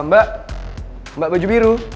mbak mbak baju biru